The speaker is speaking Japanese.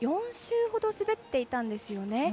４周ほど滑っていたんですよね。